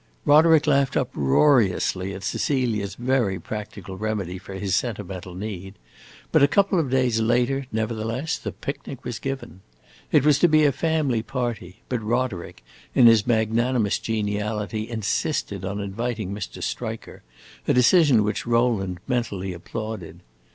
Roderick laughed uproariously at Cecilia's very practical remedy for his sentimental need, but a couple of days later, nevertheless, the picnic was given. It was to be a family party, but Roderick, in his magnanimous geniality, insisted on inviting Mr. Striker, a decision which Rowland mentally applauded.